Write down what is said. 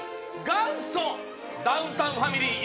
元祖ダウンタウンファミリー